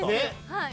はい。